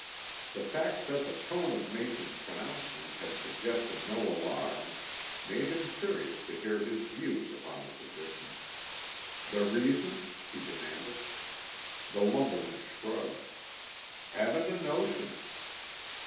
The fact that the tone of Mason's pronouncement had suggested no alarm made him curious to hear his views upon the position. "The reason?" he demanded. The lumberman shrugged. "Haven't a notion."